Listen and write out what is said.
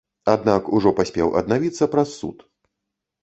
Аднак, ужо паспеў аднавіцца праз суд.